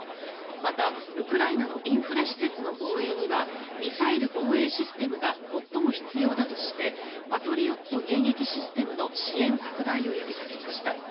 またウクライナのインフラ施設の防衛にはミサイル防衛システムが最も必要だとしてパトリオット迎撃システムの支援拡大を呼びかけました。